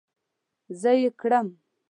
زه ئې کرم